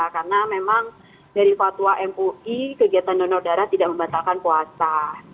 karena memang dari fatwa mui kegiatan donor darah tidak membatalkan puasa